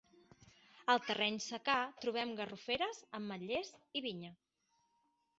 Al terreny secà trobem garroferes, ametlers i vinya.